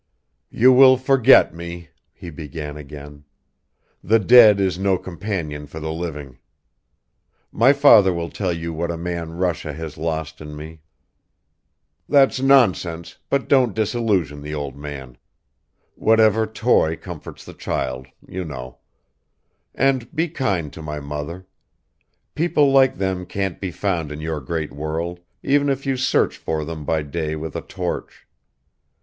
"You will forget me," he began again. "The dead is no companion for the living. My father will tell you what a man Russia has lost in me ... That's nonsense, but don't disillusion the old man. Whatever toy comforts the child ... you know. And be kind to my mother. People like them can't be found in your great world even if you search for them by day with a torch